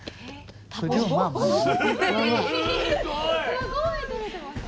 すごいとれてますね。